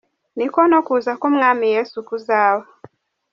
Niko no kuza kw’Umwami Yesu kuzaba….